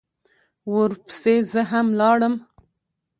ورپسې زه هم لاړم.